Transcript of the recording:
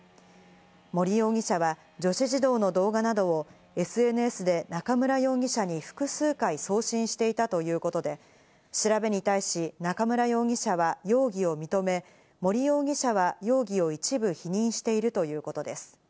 森容疑者は女子児童の動画などをＳＮＳで中村容疑者に複数回送信していたということで、調べに対し、中村容疑者は容疑を認め、森容疑者は容疑を一部否認しているということです。